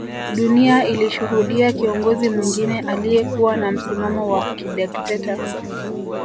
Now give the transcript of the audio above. Dunia ilishuhudia kiongozi mwingine aliyekuwa na msimamo wa kidekteta